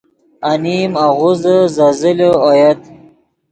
انیم آغوزے زیزلے اویت